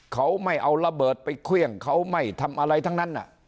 เขาไม่เอาระเบิดไปเครื่องเขาไม่ทำอะไรทั้งนั้น